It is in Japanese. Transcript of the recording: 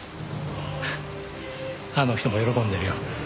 フッあの人も喜んでるよ。